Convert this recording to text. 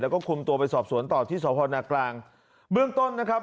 แล้วก็คุมตัวไปสอบสวนต่อที่สพนกลางเบื้องต้นนะครับ